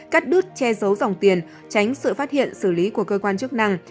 cắt đứt che giấu dòng tiền tránh sự phát hiện xử lý của cơ quan chức năng